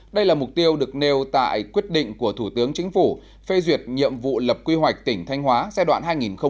đây là mục tiêu được nêu tại quyết định của thủ tướng chính phủ phê duyệt nhiệm vụ lập quy hoạch tỉnh thanh hóa giai đoạn hai nghìn hai mươi một hai nghìn ba mươi